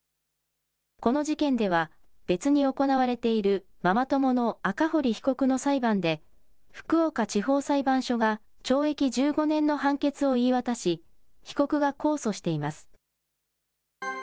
この事件では、別に行われているママ友の赤堀被告の裁判で、福岡地方裁判所が懲役１５年の判決を言い渡し、被告が控訴しています。